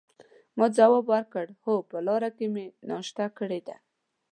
ما ځواب ورکړ: هو، په لاره کې مې ناشته کړې ده.